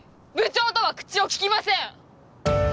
部長とは口を利きません！